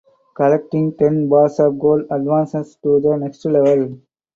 Collecting ten bars of gold advances to the next level.